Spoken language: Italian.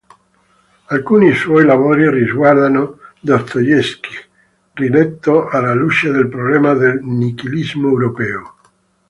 Alcuni suoi lavori riguardano Dostoevskij, riletto alla luce del problema del nichilismo europeo.